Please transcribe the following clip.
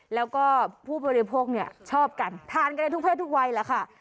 แล้วก็ผู้บริโภคเนี่ยชอบกันทานกันได้ทุกเพศทุกวัยแหละค่ะ